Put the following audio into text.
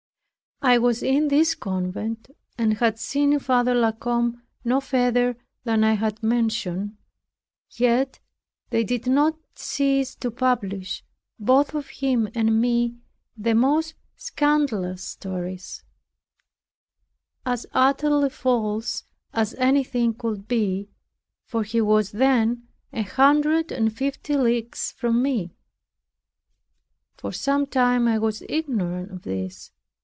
I was in this convent, and had seen Father La Combe no further than I have mentioned; yet they did not cease to publish, both of him and me, the most scandalous stories; as utterly false as anything could be, for he was then a hundred and fifty leagues from me. For some time I was ignorant of this.